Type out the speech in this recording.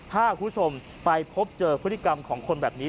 ถ้าคุณผู้ชมไปพบเจอพฤติกรรมของคนแบบนี้